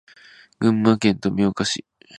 群馬県富岡市